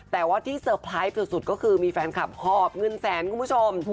แต่ว่าที่สุดสุดก็คือมีแฟนคลับหอบเงินแสนคุณผู้ชม